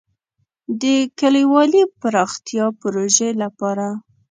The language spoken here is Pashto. د کلیوالي پراختیا پروژې لپاره.